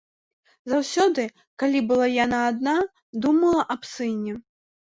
Заўсёды, калі была яна адна, думала аб сыне.